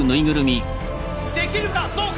できるかどうか！